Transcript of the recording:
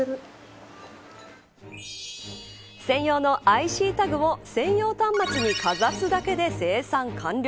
専用のＩＣタグを専用端末にかざすだけで精算完了。